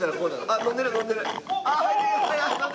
あっ飲んでる飲んでる。